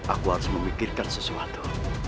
aku harus memikirkan sesuatu